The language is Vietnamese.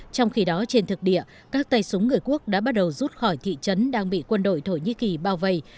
trong khi đó trên thực địa các tay súng người quốc đã bắt đầu rút khỏi thị trấn đang bị quân đội thổ nhĩ kỳ bao vây